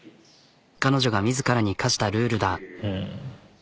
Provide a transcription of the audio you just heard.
彼女が自らに課したルールだ。